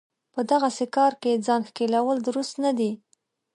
په دغسې کار کې ځان ښکېلول درست نه دی.